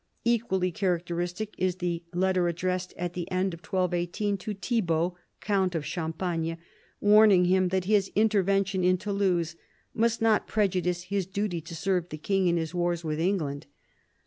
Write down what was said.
Equally characteristic is the letter addressed at the end of 1218 to Thibault, count of Champagne, warning him that his intervention in Toulouse must not prejudice his duty to serve the king in his wars with England.